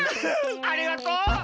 うっありがとう！